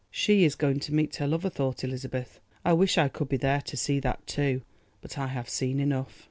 "She is going to meet her lover," thought Elizabeth. "I wish I could be there to see that too, but I have seen enough."